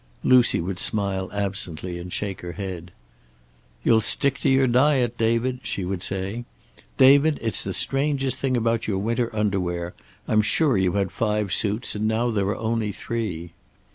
Lucy would smile absently and shake her head. "You'll stick to your diet, David," she would say. "David, it's the strangest thing about your winter underwear. I'm sure you had five suits, and now there are only three."